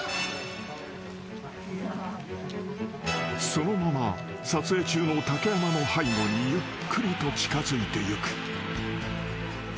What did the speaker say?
［そのまま撮影中の竹山の背後にゆっくりと近づいていく］